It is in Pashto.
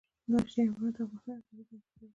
وحشي حیوانات د افغانستان یوه طبیعي ځانګړتیا ده.